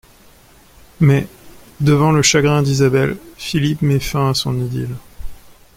Mais, devant le chagrin d'Isabelle, Philippe met fin à son idylle.